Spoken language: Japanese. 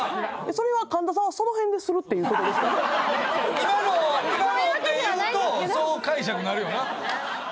今ので言うとそう解釈なるよな。